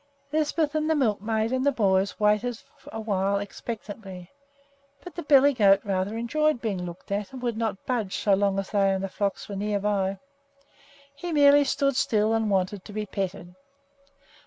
Lisbeth and the milkmaid and the boys waited a while expectantly; but the billy goat rather enjoyed being looked at, and would not budge so long as they and the flocks were near by. He merely stood still and wanted to be petted.